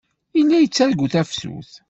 Yella yettargu tafsut.